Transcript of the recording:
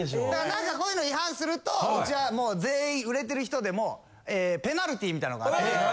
・なんかこういうの違反するとうちは全員売れてる人でもペナルティみたいのがあって。